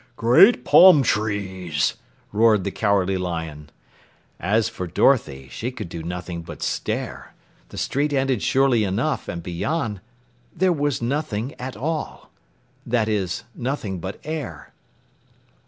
"Great palm trees," roared the Cowardly Lion. As for Dorothy, she could do nothing but stare. The street ended surely enough, and beyond there was nothing at all. That is, nothing but air.